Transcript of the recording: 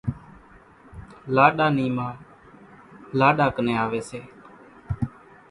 لاڏا نِي ما لاڏا ڪنين آوي سي